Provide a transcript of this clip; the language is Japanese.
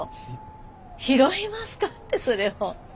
拾いますかってそれを。